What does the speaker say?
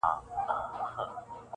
نور څه نه وای چي هر څه وای-